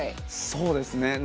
そうですね。